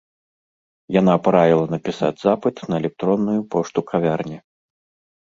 Яна параіла напісаць запыт на электронную пошту кавярні.